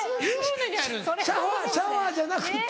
シャワーじゃなくって？